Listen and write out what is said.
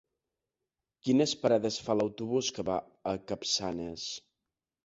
Quines parades fa l'autobús que va a Capçanes?